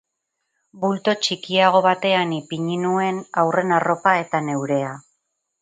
Bulto txikiago batean ipini nuen haurren arropa eta neurea.